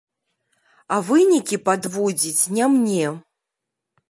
А вынікі падводзіць не мне.